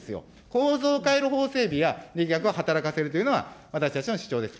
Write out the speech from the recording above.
構造を変える法整備や、力学を働かせるというのは、私の主張です。